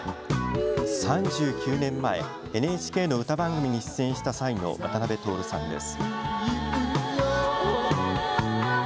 ３９年前、ＮＨＫの歌番組に出演した際の渡辺徹さんです。